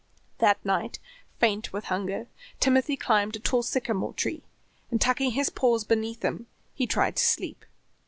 That night, faint with hunger, Timothy climbed a tall sycamore tree and tucking his paws beneath him tried to sleep.